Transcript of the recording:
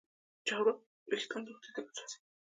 چارمغز د ویښتانو روغتیا ته ګټه رسوي.